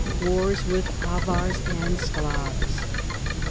WARS WITH AVARS AND SCLAVES.